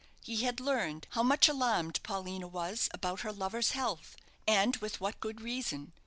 He had learned how much alarmed Paulina was about her lover's health, and with what good reason.